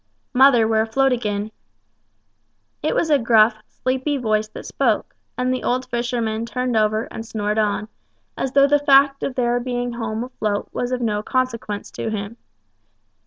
"Mother, we're afloat agin." It was a gruff, sleepy voice that spoke, and the old fisherman turned over and snored on, as though the fact of their home being afloat was of no consequence to him.